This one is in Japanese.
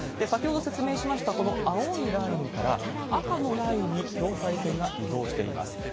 先ほど説明しましたこの青いラインから、赤のラインに境界線が移動しています。